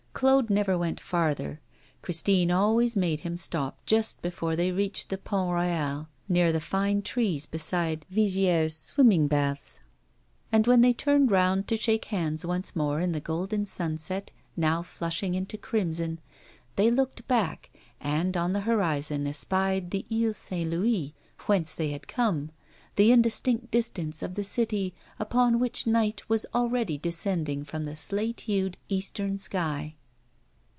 Claude never went farther. Christine always made him stop just before they reached the Pont Royal, near the fine trees beside Vigier's swimming baths; and when they turned round to shake hands once more in the golden sunset now flushing into crimson, they looked back and, on the horizon, espied the Isle Saint Louis, whence they had come, the indistinct distance of the city upon which night was already descending from the slate hued eastern sky.